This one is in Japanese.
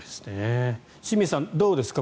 清水さん、どうですか。